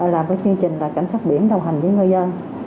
làm cái chương trình cảnh sát biển đồng hành với ngư dân